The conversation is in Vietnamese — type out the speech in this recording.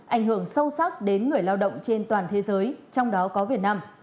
ảnh hưởng sâu sắc đến người lao động trên toàn thế giới trong đó có việt nam